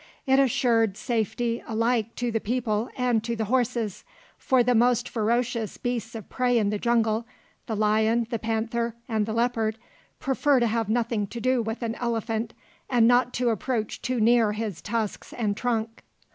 It assured safety alike to the people and to the horses, for the most ferocious beasts of prey in the jungle, the lion, the panther, and the leopard, prefer to have nothing to do with an elephant and not to approach too near his tusks and trunk.